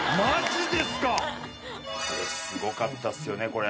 すごかったですよねこれ。